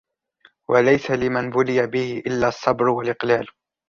وَلَيْسَ لِمَنْ بُلِيَ بِهِ إلَّا الصَّبْرُ وَالْإِقْلَالُ